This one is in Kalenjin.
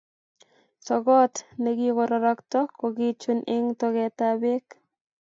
Sokot nekirorokto ko kichun eng togetap bek